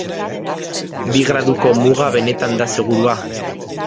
Bi graduko muga benetan da segurua?